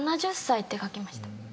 ７０歳って書きました。